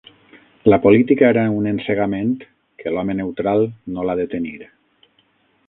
La política era un encegament que l'home neutral no l'ha de tenir